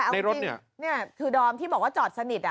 แต่เอาจริงนะคือดอมที่บอกว่าจอดสนิทอ่ะ